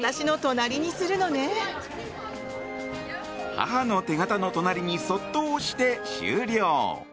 母の手形の隣にそっと押して終了。